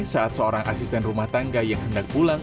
saat seorang asisten rumah tangga yang hendak pulang